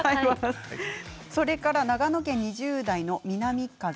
それから長野県２０代の方。